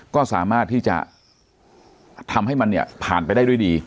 ก็สามารถที่จะทำให้มันเนี่ยผ่านไปได้ด้วยดี